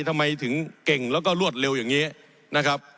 ทำไมถึงเก่งแล้วก็รวดเร็วอย่างนี้นะครับ